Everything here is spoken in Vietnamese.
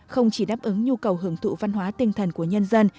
không chỉ đáp ứng nhu cầu hưởng thụ văn hóa tinh thần của nhân dân